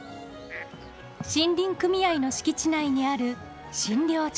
森林組合の敷地内にある診療所。